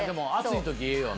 暑い時ええよな！